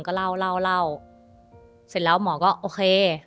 ก็เล่าแล้วหมอก็โอเค